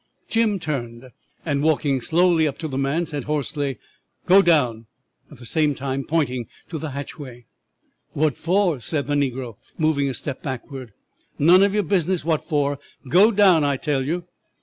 "'Jim turned, and, walking slowly up to the man, said hoarsely: "Go down," at the same time pointing to the hatchway. "'"What for?" asked the negro, moving a step backward. "'"None of your business what for; go down, I tell you."